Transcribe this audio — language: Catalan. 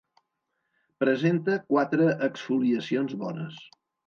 Presenta quatre exfoliacions bones.